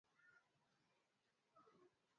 Kuwepo na kupe wengi baada ya kipindi kirefu cha mvua